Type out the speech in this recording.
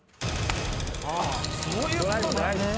そういうことね。